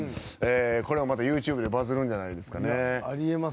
これもまたＹｏｕＴｕｂｅでバズるんじゃないですかね。